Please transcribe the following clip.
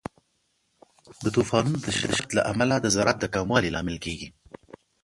د طوفانونو د شدت له امله د زراعت د کموالي لامل کیږي.